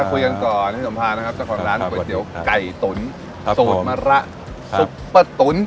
คุยกันก่อนพี่สมภานะครับเจ้าของร้านก๋วยเตี๋ยวไก่ตุ๋นสูตรมะระซุปเปอร์ตุ๋น